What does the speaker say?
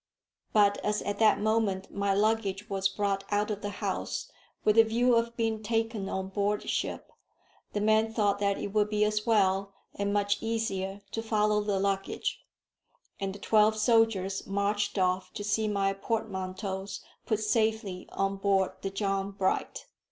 But as at that moment my luggage was brought out of the house with the view of being taken on board ship, the man thought that it would be as well and much easier to follow the luggage; and the twelve soldiers marched off to see my portmanteaus put safely on board the John Bright.